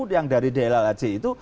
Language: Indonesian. yang dari dlhc itu